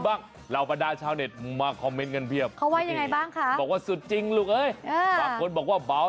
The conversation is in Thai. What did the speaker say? แบบเราประดาษชาวเน็ตคอมเม้นท์กันพี่อะเขาว่ายังไงบ้างค่ะบอกว่าสุดจริงบอกว่าบาว